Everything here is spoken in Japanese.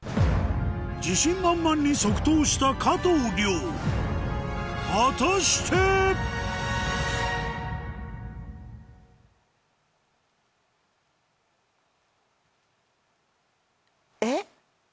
自信満々に即答した加藤諒果たして⁉えっ。